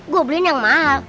gue beliin yang mahal